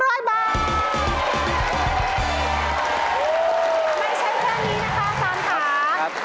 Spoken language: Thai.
เธออย่ามีความสำเร็จมาก